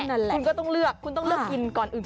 นั่นแหละคุณก็ต้องเลือกคุณต้องเลือกกินก่อนอื่น